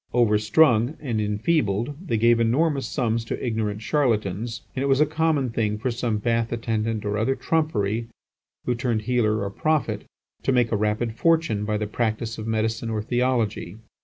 Over strung and enfeebled, they gave enormous sums to ignorant charlatans; and it was a common thing for some bath attendant or other trumpery who turned healer or prophet, to make a rapid fortune by the practice of medicine or theology.